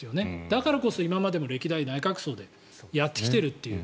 だからこそ今までも歴代、内閣葬でやってきているという。